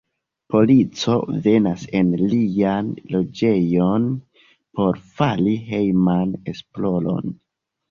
Polico venas en lian loĝejon por fari hejman esploron.